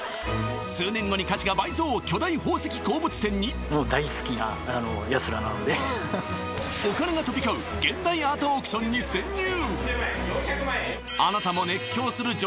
数年後に価値が倍増巨大宝石・鉱物展にお金が飛び交う現代アートオークションに潜入！